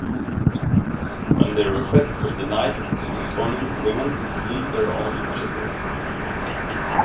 When their request was denied, the Teutonic women slew their own children.